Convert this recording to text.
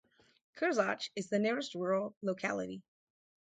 Kirzhach is the nearest rural locality.